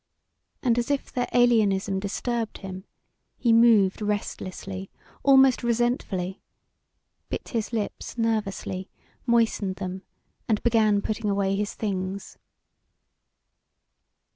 And as if their alienism disturbed him, he moved restlessly, almost resentfully, bit his lips nervously, moistened them, and began putting away his things.